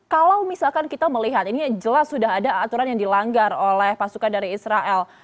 kalau misalkan kita melihat ini jelas sudah ada aturan yang dilanggar oleh pasukan dari israel